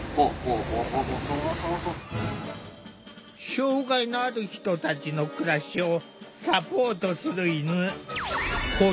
障害のある人たちの暮らしをサポートする犬「補助犬」だ。